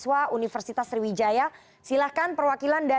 hal begitu ya silahkan siapa perwakilannya